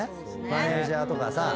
マネジャーとかさ。